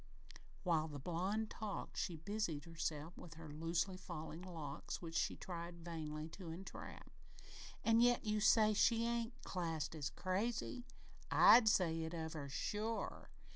While the blonde talked she busied herself with her loosely falling locks, which she tried vainly to entrap. "An' yet you say she ain't classed as crazy? I'd say it of her, sure!